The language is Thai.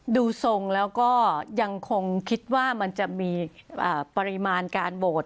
ดูทรงแล้วก็ยังคงคิดว่ามันจะมีปริมาณการโหวต